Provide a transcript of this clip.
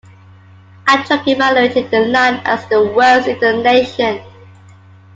Amtrak evaluated the line as the worst in the nation.